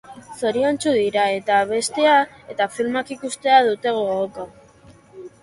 Zoriontsu dira, eta abestea eta filmak ikustea dute gogoko.